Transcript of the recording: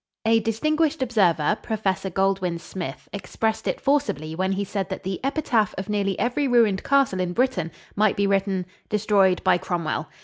A distinguished observer, Prof. Goldwin Smith, expressed it forcibly when he said that the epitaph of nearly every ruined castle in Britain might be written, "Destroyed by Cromwell."